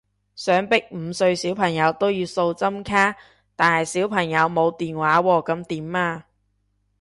想逼五歲小朋友都要掃針卡，但係小朋友冇電話喎噉點啊？